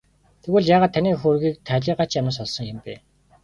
Тэгвэл яагаад таны хөрөгийг талийгаачийн амнаас олсон юм бэ?